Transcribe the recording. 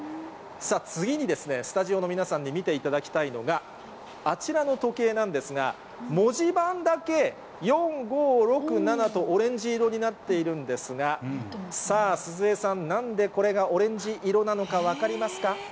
次に、スタジオの皆さんに見ていただきたいのが、あちらの時計なんですが、文字盤だけ、４、５、６、７と、オレンジ色になっているんですが、さあ、鈴江さん、なんでこれがオレンジ色なのか分かりますか？